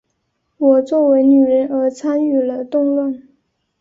我作为女人而参与了动乱。